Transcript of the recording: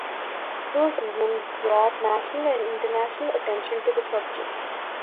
These women brought national and international attention to the subject.